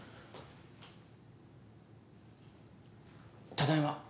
ただいま。